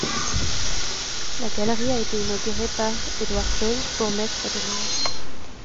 La galerie a été inaugurée le par Édouard Close, bourgmestre de Liège.